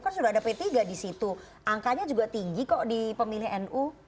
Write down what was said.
kan sudah ada p tiga di situ angkanya juga tinggi kok di pemilih nu